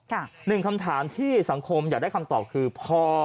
หนึ่งคำถามที่สังคมอยากได้คำตอบคือพอ